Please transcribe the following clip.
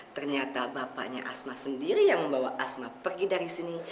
ternyata bapaknya asma sendiri yang membawa asma pergi dari sini